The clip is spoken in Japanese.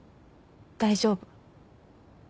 大丈夫。